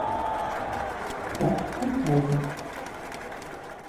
Bach und Haydn.